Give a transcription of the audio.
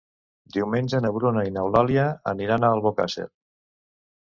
Diumenge na Bruna i n'Eulàlia aniran a Albocàsser.